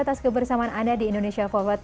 atas kebersamaan anda di indonesia forward